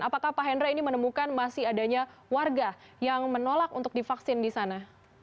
apakah pak hendra ini menemukan masih adanya warga yang menolak untuk divaksin di sana